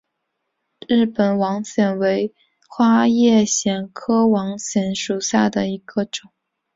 日本网藓为花叶藓科网藓属下的一个种。